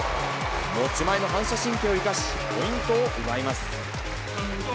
持ち前の反射神経を生かし、ポイントを奪います。